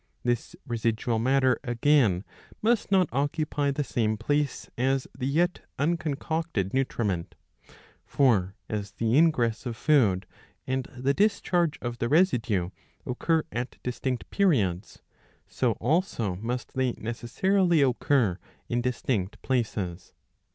This residual matter, again, must not occupy the same place as the yet uncon cocted nutriment. For as the ingress of food and the discharge of the residue occur at distinct periods, so also must they necessarily occur in distinct places.